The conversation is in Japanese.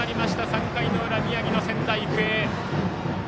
３回の裏、宮城の仙台育英。